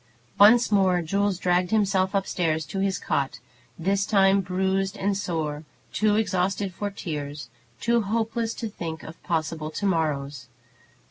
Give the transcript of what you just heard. Once more Jules dragged himself up stairs to his cot, this time bruised and sore, too exhausted for tears, too hopeless to think of possible to morrows.